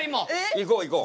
行こう行こう。